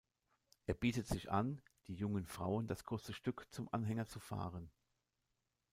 Er bietet sich an, die jungen Frauen das kurze Stück zum Anhänger zu fahren.